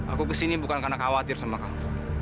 aku kesini bukan karena khawatir sama kamu